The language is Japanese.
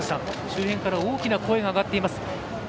周辺から大きな声が上がっています。